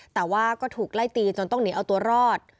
แต่ว่าก็ถูกไล่ตีจนต้องหนีเอาตัวรอด